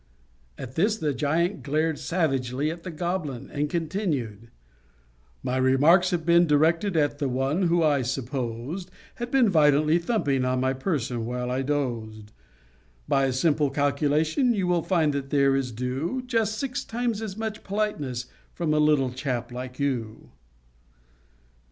At this the giant glared savagely at the Goblin, and continued: _My remarks have been directed at the one who, I supposed, Had been violently thumping on my person while I dozed; By a simple calculation, you will find that there is due Just six times as much politeness from a little chap like you.